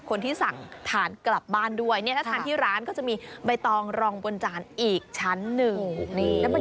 ใครทานไม่อิ่มก็กินใบตองไปด้วย